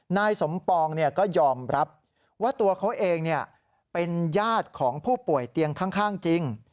นายสมปองก็ยอมรับว่าตัวเขาเองเป็นญาติของผู้ป่วยเตียงข้างจริง